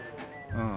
うん。